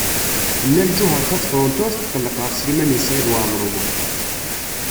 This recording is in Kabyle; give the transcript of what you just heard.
Nna Lǧuheṛ Tabetṛunt ur tetqelleq ɣef Sliman U Saɛid Waɛmaṛ U Muḥ.